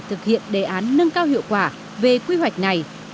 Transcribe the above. thực hiện đề án nâng cao hiệu quả về quy hoạch này